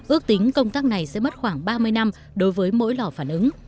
ước tính công tác này sẽ mất khoảng ba mươi năm đối với mỗi lò phản ứng